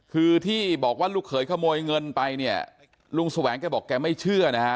คือที่บอกว่าลูกเขยขโมยเงินไปเนี่ยลุงแสวงแกบอกแกไม่เชื่อนะฮะ